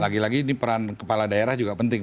lagi lagi ini peran kepala daerah juga penting